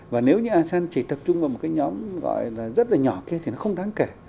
và nếu như asean chỉ tập trung vào một cái nhóm gọi là rất là nhỏ kia thì nó không đáng kể